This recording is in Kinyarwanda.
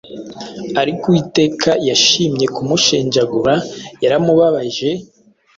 Ariko Uwiteka yashimye kumushenjagura, yaramubabaje,